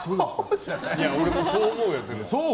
俺もそう思うよ。